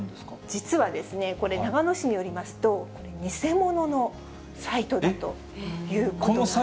実はですね、これ、長野市によりますと、これ、偽物のサイトだということなんです。